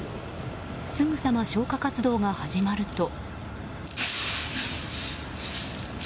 すぐさま消火活動が始まると。